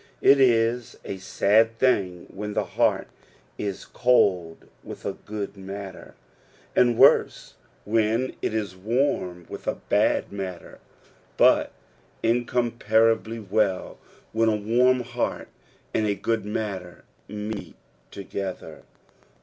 It is a sad thing when the heart is cold with a good matter, and worse when it is warm with a bad matter, but in comparably well when a warm heart and a good matter meet together.